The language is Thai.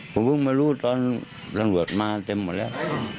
ผมเพิ่งมารู้ตอนตำรวจมาเต็มหมดแล้ว